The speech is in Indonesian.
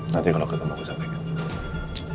nanti kalau ketemu aku sampaikan